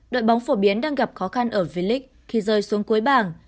đội bóng phổ biến đang gặp khó khăn ở vlic khi rơi xuống cuối bảng